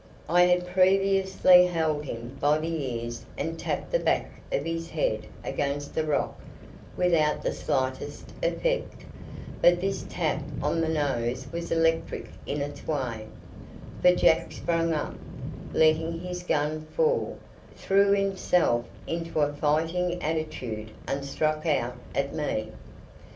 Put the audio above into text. I had previously held him by the ears and tapped the back of his head against the rock without the slightest effect; but this tap on the nose was electric in its way, for Jack sprang up, letting his gun fall, threw himself into a fighting attitude, and struck out at me.